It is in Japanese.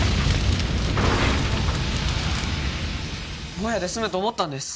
ボヤで済むと思ったんです